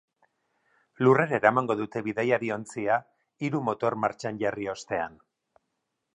Lurrera eramango dute bidaiari-ontzia, hiru motor martxan jarri ostean.